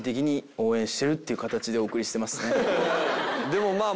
でもまあ。